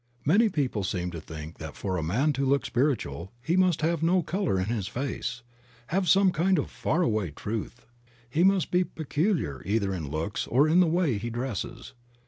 Many people seem to think that for a man to look spiritual he must have no color in his face, have some kind of far away truth; he must be peculiar either in looks, or in the way he dresses.